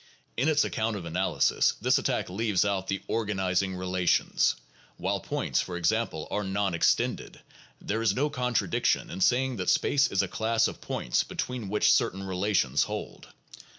In its account of analysis, this attack leaves out the organizing relations. While points, for ex ample, are non extended, there is no contradiction in saying that space is a class of points between which certain relations hold.